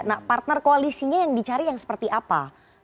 nah partner koalisinya yang dicari yang seperti apa